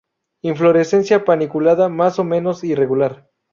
Inflorescencia paniculada; más o menos irregular.